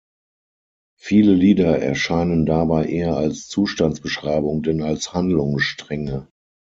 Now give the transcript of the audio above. Viele Lieder erscheinen dabei eher als Zustandsbeschreibung denn als Handlungsstränge.